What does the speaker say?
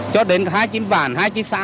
cho đến hai chiếc bản hai chiếc xã